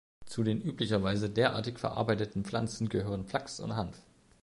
Zu den üblicherweise derartig verarbeiteten Pflanzen gehören Flachs und Hanf.